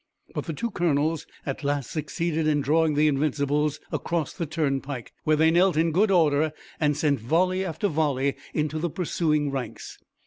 But the two colonels at last succeeded in drawing the Invincibles across the turnpike, where they knelt in good order and sent volley after volley into the pursuing ranks.